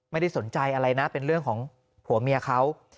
ไม่ได้สนใจอะไรนะเป็นเรื่องของผัวเมียเขา